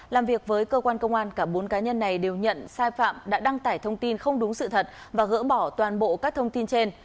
làm việc với cơ quan công an cả bốn cá nhân này đều nhận sai phạm đã đăng tải thông tin không đúng sự thật và gỡ bỏ toàn bộ các thông tin trên